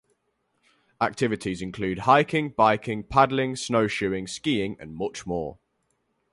Activities include hiking, biking, paddling, snowshoeing, skiing and much more.